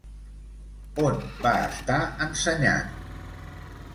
On va estar ensenyant?